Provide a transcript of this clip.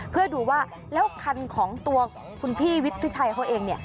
เพื่อดูว่าแล้วคันของตัวคุณพี่วุฒิชัยเขาเองเนี่ย